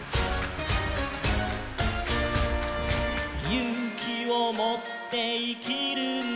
「ゆうきをもっていきるんだ」